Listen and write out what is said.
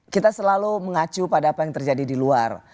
kita selalu mengacu pada apa yang terjadi di luar